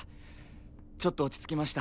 ちょっと落ち着きました。